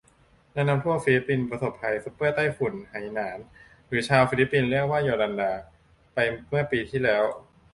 และน้ำท่วม ฟิลิปปินส์ประสบภัยซุปเปอร์ใต้ฝุ่นไหหนาน หรือชาวฟิลิปปินส์เรียกว่าโยลันดา ไปเมื่อปีที่แล้ว